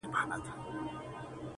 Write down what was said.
او دا هم راته جوته وه